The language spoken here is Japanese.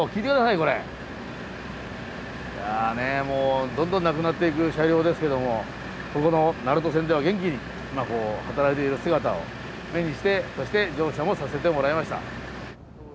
いやどんどんなくなっていく車両ですけどもここの鳴門線では元気に働いている姿を目にしてそして乗車もさせてもらいました。